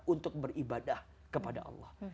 untuk beribadah kepada allah